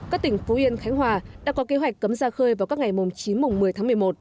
các tỉnh phú yên khánh hòa đã có kế hoạch cấm ra khơi vào các ngày chín một mươi tháng một mươi một